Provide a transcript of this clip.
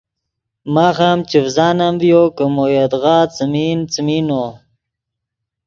ماخ ام چڤزانم ڤیو کہ مو یدغا څیمین، څیمین نو